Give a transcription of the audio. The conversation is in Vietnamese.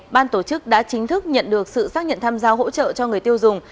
ban tổ chức đã chính thức nhận được sự xác nhận tham gia hỗ trợ cho người tiêu dùng